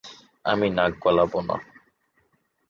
আমি নাক গলাবো না।